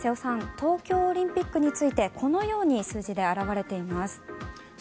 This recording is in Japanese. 東京オリンピックについてこのように数字で表れています。